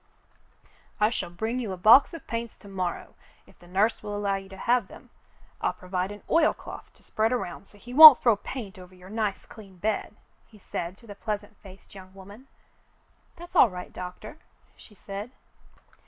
"I shall bring you a box of paints to morrow if the nurse will allow you to have them. I'll provide an oilcloth to spread around so he won't throw paint over your nice clean bed," he said to the pleasant faced young woman. "That's all right, Doctor," she said.